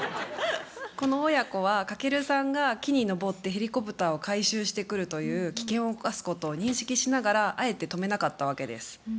この親子は翔さんが木に登ってヘリコプターを回収してくるという危険を冒すことを認識しながらあえて止めなかったわけです。